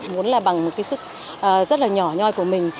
muốn là bằng một cái sức rất là nhỏ nhoi của mình